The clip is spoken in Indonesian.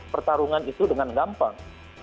pertarungan itu dengan gampang